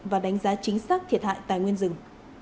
và đánh giá chính xác thiệt hại tài nguyên rừng